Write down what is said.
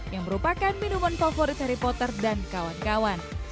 yang merupakan minuman favorit harry potter dan kawan kawan